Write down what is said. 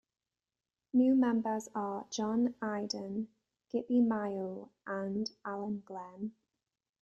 New members are John Idan, Gypie Mayo and Alan Glen.